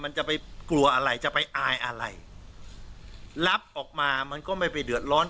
จะไปกลัวอะไรจะไปอายอะไรรับออกมามันก็ไม่ไปเดือดร้อน